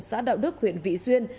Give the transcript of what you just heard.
xã đạo đức huyện vị xuyên